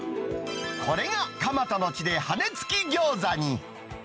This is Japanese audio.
これが蒲田の地で、羽根付き餃子に。